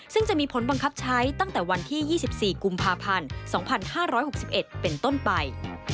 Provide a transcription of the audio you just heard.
ซึ่งจะมีผลบังคับใช้ตั้งแต่วันที่๒๔กุมภาพันธ์๒๕๖๑เป็นต้นไป